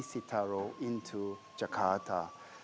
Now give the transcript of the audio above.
e citaro ke jakarta